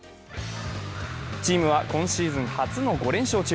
チームは今シーズン初の５連勝中。